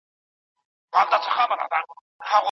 « چي له ځایه نه خوځیږي غر خو هسي وي کنه»